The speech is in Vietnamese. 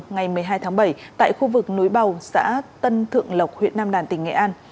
ngày một mươi hai tháng bảy tại khu vực núi bầu xã tân thượng lộc huyện nam đàn tỉnh nghệ an